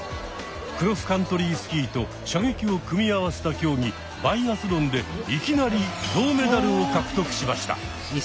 「クロスカントリースキー」と「射撃」を組み合わせた競技「バイアスロン」でいきなり銅メダルを獲得しました。